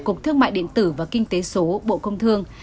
tổ chức cục thương mại điện tử và kinh tế số bộ công thương